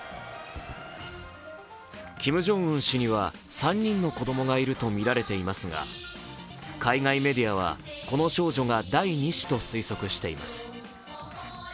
キム・ジョンウン氏には３人の子どもがいるとみられていますが、海外メディアは、この少女が第２子と推測しています